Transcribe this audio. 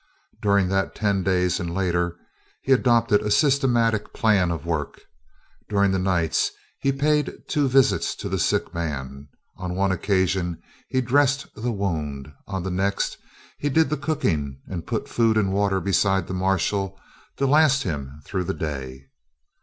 During that ten days, and later, he adopted a systematic plan of work. During the nights he paid two visits to the sick man. On one occasion he dressed the wound; on the next he did the cooking and put food and water beside the marshal, to last him through the day.